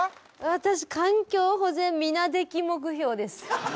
私環境保全皆出来目標です